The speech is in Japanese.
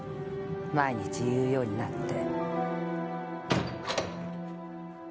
毎日言うようになって。